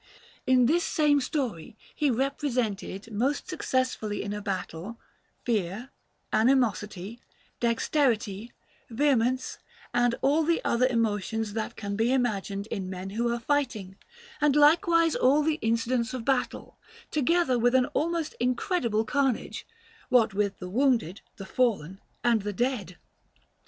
In this same story he represented most successfully in a battle fear, animosity, dexterity, vehemence, and all the other emotions that can be imagined in men who are fighting, and likewise all the incidents of battle, together with an almost incredible carnage, what with the wounded, the fallen, and the dead.